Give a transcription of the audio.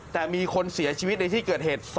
แต่มีคนเสียชีวิตในที่เกิดเหตุ